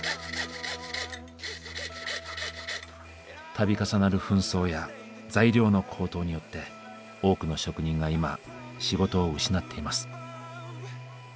度重なる紛争や材料の高騰によって多くの職人が今仕事を失っています。